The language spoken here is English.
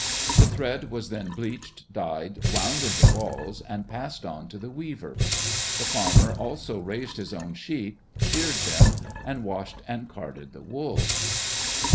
The thread was then bleached, dyed, wound into balls, and passed on to the weaver. The farmer also raised his own sheep, sheared them, and washed and carded the wool.